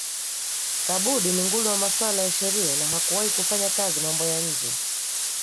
Kabudi ni nguli wa masuala ya sheria na hakuwahi kufanya kazi mambo ya nje